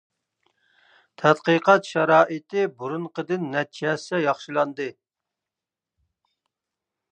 تەتقىقات شارائىتى بۇرۇنقىدىن نەچچە ھەسسە ياخشىلاندى.